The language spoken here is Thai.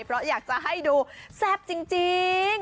เพราะอยากจะให้ดูแซ่บจริง